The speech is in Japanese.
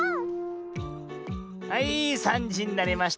はい３じになりました。